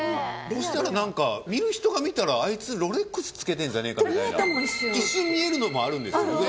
そしたら何か見る人が見たら「あいつロレックス着けてんじゃねえか」みたいな一瞬見えるのもあるんですよ。